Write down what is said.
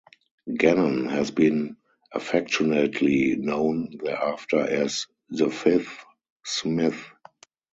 Gannon has been affectionately known thereafter as "the Fifth Smith".